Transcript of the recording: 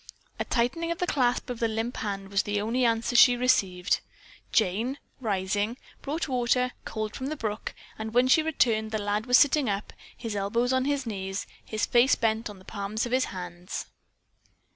A tightening of the clasp of the limp hand was the only answer she received. Jane, rising, brought water, cold from the brook, and when she returned the lad was sitting up, his elbows on his knees, his face bent on the palms of his hands.